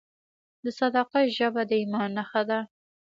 د صداقت ژبه د ایمان نښه ده.